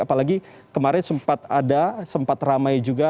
apalagi kemarin sempat ada sempat ramai juga